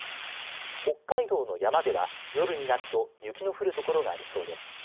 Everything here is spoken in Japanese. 北海道の山では夜になると雪の降る所がありそうです。